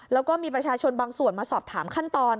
แล้วก็มีประชาชนบางส่วนมาสอบถามขั้นตอน